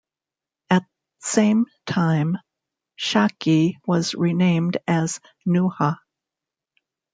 At same time Shaki was renamed as Nuha.